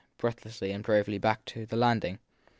breathlessly and bravely back to the landing.